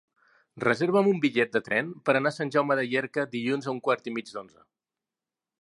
Reserva'm un bitllet de tren per anar a Sant Jaume de Llierca dilluns a un quart i mig d'onze.